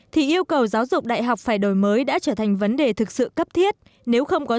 thì yêu cầu giáo dục đại học phải đổi mới đã trở thành vấn đề thực sự cấp thiết nếu không có